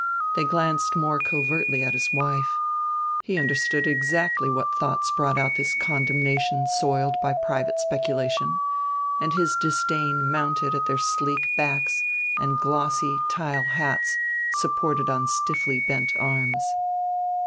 They glanced more covertly at his wife; he understood exactly what thoughts brought out this condemnation soiled by private speculation; and his disdain mounted at their sleek backs and glossy tile, hats supported on stiffly bent arms.